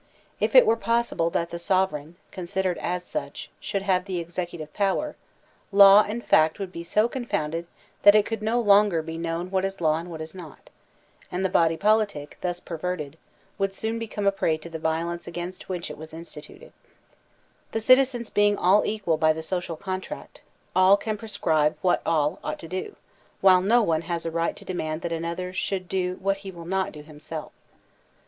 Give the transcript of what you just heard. If it were possible that the sovereign, considered as such, should have the executive power, law and fact would be so confounded that it could no longer be known what is law and what is not; and the body politic, thus perverted, would soon become a prey to the violence against which it was instituted. INSTITUTION OP THE GOVERNMENT 87 The citizens being all equal by the social contract, all can prescribe what all ought to do, while no one has a right to demand that another should do what he will not do himself.